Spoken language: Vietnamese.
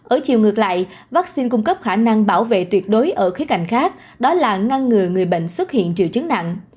ở chiều ngược lại vaccine cung cấp khả năng bảo vệ tuyệt đối ở khía cạnh khác đó là ngăn ngừa người bệnh xuất hiện triệu chứng nặng